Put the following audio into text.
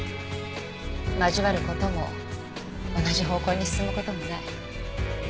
交わる事も同じ方向に進む事もない。